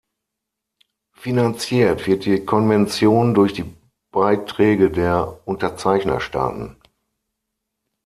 Finanziert wird die Konvention durch die Beiträge der Unterzeichnerstaaten.